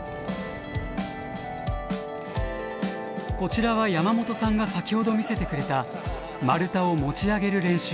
こちらは山本さんが先ほど見せてくれた丸太を持ち上げる練習。